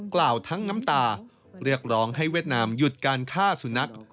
กล่าวทั้งน้ำตาเรียกร้องให้เวียดนามหยุดการฆ่าสุนัข